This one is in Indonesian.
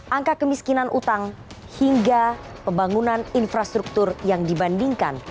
angka kemiskinan utang hingga pembangunan infrastruktur yang dibandingkan